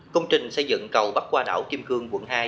công trình xây dựng cầu bắt qua đảo kim khương quận hai